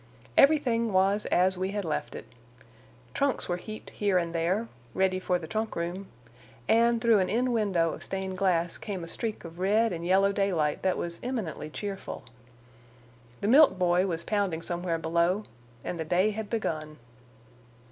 Everything was as we had left it. Trunks were heaped here and there, ready for the trunk room, and through an end window of stained glass came a streak of red and yellow daylight that was eminently cheerful. The milk boy was pounding somewhere below, and the day had begun.